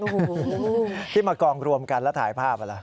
โอ้โหที่มากองรวมกันแล้วถ่ายภาพอ่ะล่ะ